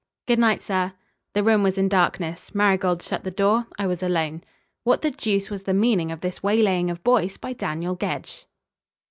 "Good night, sir." The room was in darkness. Marigold shut the door. I was alone. What the deuce was the meaning of this waylaying of Boyce by Daniel Gedge?